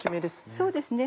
そうですね。